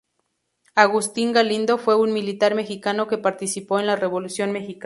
Agustín M. Galindo fue un militar mexicano que participó en la Revolución mexicana.